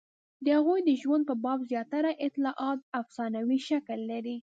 د هغوی د ژوند په باب زیاتره اطلاعات افسانوي شکل لري.